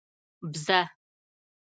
🐐 بزه